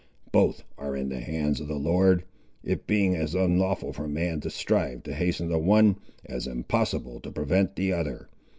Both are in the hands of the Lord, it being as unlawful for man to strive to hasten the one, as impossible to prevent the other.